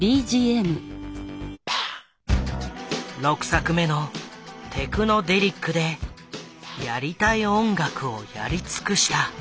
６作目の「テクノデリック」でやりたい音楽をやり尽くした。